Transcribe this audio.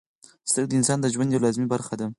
• سترګې د انسان د ژوند یوه لازمي برخه ده.